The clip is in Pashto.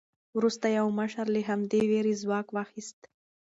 وروسته یو مشر له همدې وېرې ځواک واخیست.